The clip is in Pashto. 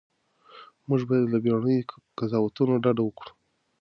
موږ باید له بیړنیو قضاوتونو ډډه وکړو.